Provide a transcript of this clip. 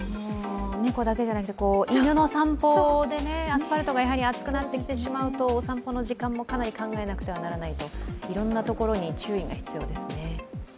猫だけじゃなくて、犬の散歩でアスファルトで熱くなってしまうとお散歩の時間もかなり考えなくてはならないといろんなところに注意が必要ですね。